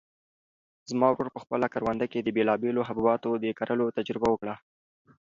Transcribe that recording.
زما ورور په خپله کرونده کې د بېلابېلو حبوباتو د کرلو تجربه وکړه.